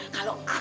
kalau aku bisa